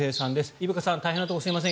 伊深さん大変なところすみません。